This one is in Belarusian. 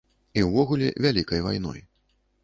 І ўвогуле, вялікай вайной.